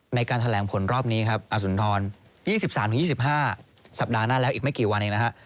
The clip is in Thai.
ในการแถลงผลรอบนี้อสุนทร๒๓๒๕สัปดาห์หน้าแล้วอีกไม่กี่วัน